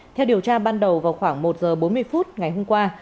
theo điều tra ban đầu vào khoảng một h bốn mươi phút ngày hôm qua